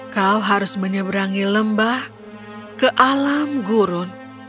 kau harus menyeberangi lembah ke alam gurun